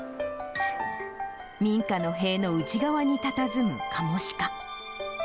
民家の塀の内側にたたずむカモシカ。